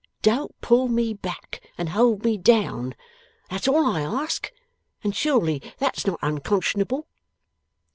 Don't pull me back, and hold me down. That's all I ask, and surely that's not unconscionable.